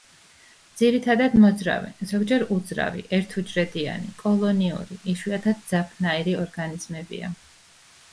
ძირითადად მოძრავი, ზოგჯერ უძრავი, ერთუჯრედიანი, კოლონიური, იშვიათად ძაფნაირი ორგანიზმებია.